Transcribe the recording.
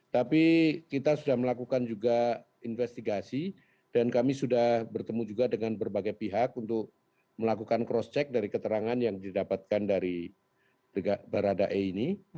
tapi kita sudah melakukan juga investigasi dan kami sudah bertemu juga dengan berbagai pihak untuk melakukan cross check dari keterangan yang didapatkan dari baradae ini